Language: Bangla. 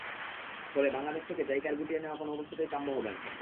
ফলে বাংলাদেশ থেকে জাইকার গুটিয়ে নেওয়া কোনো অবস্থাতেই কাম্য হবে না।